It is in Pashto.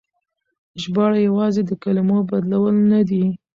ژباړه يوازې د کلمو بدلول نه دي.